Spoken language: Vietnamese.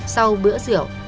sau bữa rượu